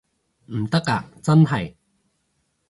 唔得啊真係